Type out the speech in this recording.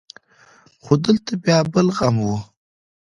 خو دلته بيا بل غم و.